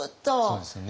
そうですよね。